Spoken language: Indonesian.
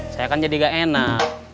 saya kan jadi gak enak